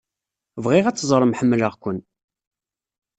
Bɣiɣ ad teẓrem ḥemmleɣ-ken.